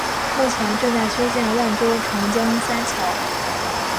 目前正在修建万州长江三桥。